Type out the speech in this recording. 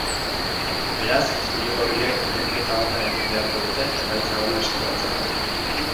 Beraz, zuri-gorriek neurketa ona egin beharko dute emaitza ona eskuratzeko.